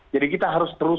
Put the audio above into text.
jadi kita harus terus